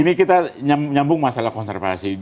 ini kita nyambung masalah konservasi